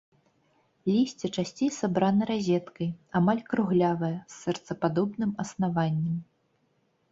Лісце часцей сабрана разеткай, амаль круглявае, з сэрцападобным аснаваннем.